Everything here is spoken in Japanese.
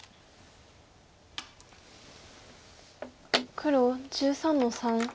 黒１３の三。